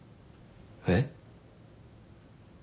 えっ？